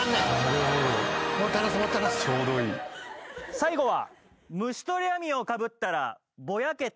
最後は。